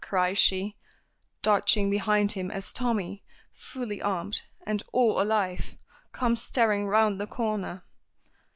cries she, dodging behind him as Tommy, fully armed, and all alive, comes tearing round the corner.